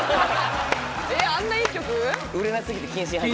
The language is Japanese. えっあんないい曲？